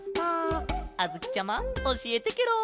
あづきちゃまおしえてケロ！